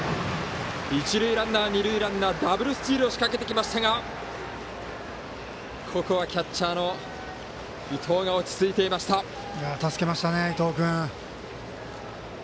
一塁ランナー、二塁ランナーダブルスチールを仕掛けてきましたがここはキャッチャーの伊藤が助けましたね、伊藤君。